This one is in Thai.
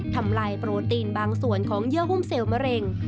ทำลายโปรตีนบางส่วนของเยื่อหุ้มเซลล์มะเร็ง